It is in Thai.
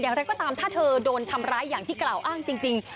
อย่างไรก็ตามถ้าเธอโดนทำร้ายอย่างที่กล่าวอ้างจริง